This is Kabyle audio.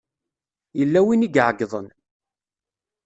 Yella win i iɛeyyḍen.